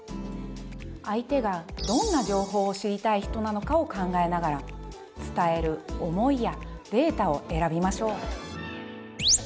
相手がどんな情報を知りたい人なのかを考えながら伝える「思い」や「データ」を選びましょう。